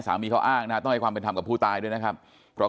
เขาอ้างนะต้องให้ความเป็นธรรมกับผู้ตายด้วยนะครับเพราะ